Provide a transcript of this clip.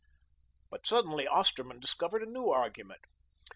But suddenly Osterman discovered a new argument.